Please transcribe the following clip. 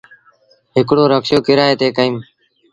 هڪڙو رڪشو ڪرئي تي ڪيٚم ۔